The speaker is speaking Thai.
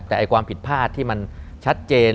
แต่ความผิดพลาดที่มันชัดเจน